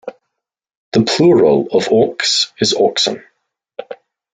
The plural of ox is oxen.